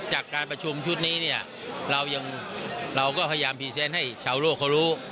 จากการประชุมชุดนี้เราก็พยายามพรีเซนต์ให้ชาวโลกเขารู้